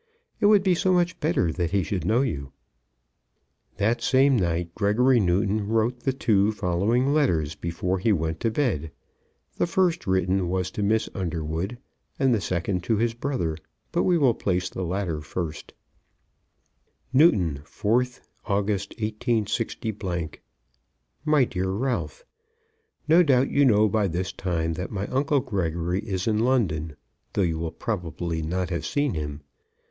It would be so much better that he should know you." That same night Gregory Newton wrote the two following letters before he went to bed; the first written was to Miss Underwood, and the second to his brother; but we will place the latter first; Newton, 4th August, 186 . MY DEAR RALPH, No doubt you know by this time that my uncle, Gregory, is in London, though you will probably not have seen him.